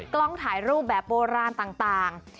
กล้องถ่ายรูปแบบโบราณต่าง